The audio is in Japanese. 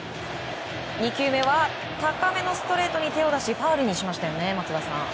２球目は高めのストレートに手を出しファウルにしました。